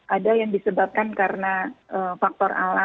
ada yang disebabkan karena faktor alam